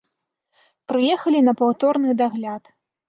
Прыехалі на паўторны дагляд.